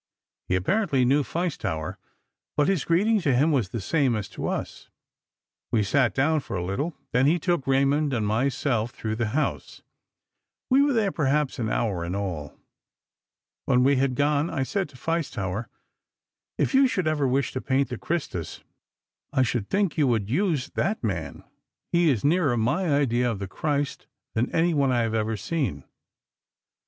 He apparently knew Feistauer, but his greeting to him was the same as to us. We sat down for a little; then he took Raymond and myself through the house. We were there perhaps an hour in all. When he had gone I said to Feistauer: 'If you should ever wish to paint the Christus, I should think you would use that man. He is nearer my idea of the Christ than anyone I have ever seen.